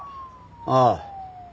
ああ。